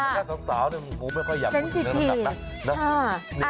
แต่สำสาวเนี่ยผมก็ไม่ค่อยอยากพูดเรื่องน้ำหนักนะ